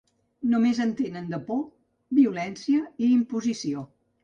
Només entenen de por, violència i imposició.